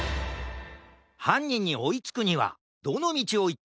はんにんにおいつくにはどのみちをいったらいいかな？